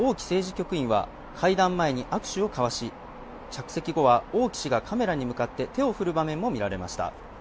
局員は会談前に握手を交わし着席後は王毅氏がカメラに向かって手を振る場面も見られました。